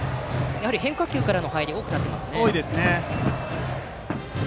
変化球からの入りが多くなっています。